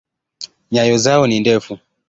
Nyayo zao ni ndefu.